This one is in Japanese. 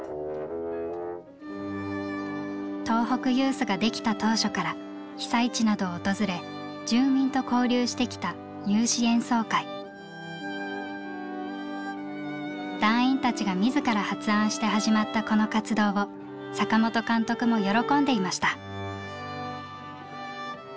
東北ユースができた当初から被災地などを訪れ住民と交流してきた団員たちが自ら発案して始まったこの活動を坂本監督も喜んでいました。